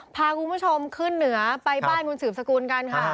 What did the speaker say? พาคุณผู้ชมขึ้นเหนือไปบ้านคุณสืบสกุลกันค่ะ